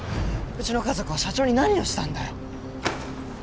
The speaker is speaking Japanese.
うちの家族は社長に何をしたんだよ？